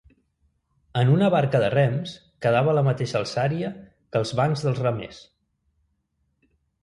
En una barca de rems quedava a la mateixa alçària que els bancs dels remers.